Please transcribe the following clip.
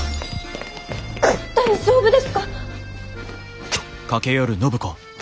大丈夫ですか？